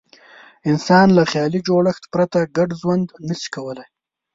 انسان له خیالي جوړښت پرته ګډ ژوند نه شي کولای.